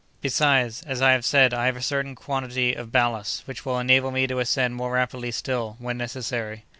"Besides, as I have said, I have a certain quantity of ballast, which will enable me to ascend more rapidly still, when necessary.